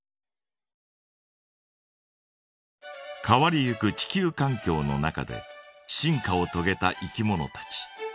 変わりゆく地球かん境の中で進化をとげたいきものたち。